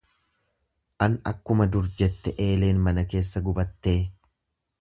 An akkuma dur jette eeleen mana keessa gubattee.